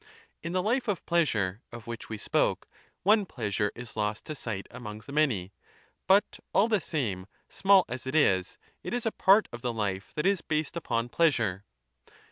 In the hfe of pleasure of which we spoke, one pleasure is lost to sight among the many ; but all the same, small as it is, it is a part of the life that is based upon pleasure.